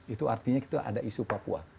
itu artinya kita ada isu papua